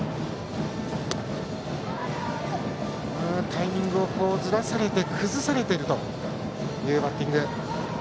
タイミングをずらされて崩されているというバッティング。